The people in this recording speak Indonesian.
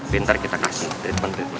bintang kita kasih treatment